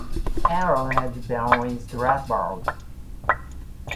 Aron was born in Strasbourg.